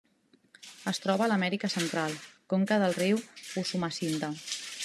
Es troba a l'Amèrica Central: conca del riu Usumacinta.